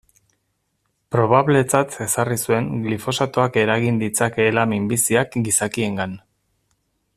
Probabletzat ezarri zuen glifosatoak eragin ditzakeela minbiziak gizakiengan.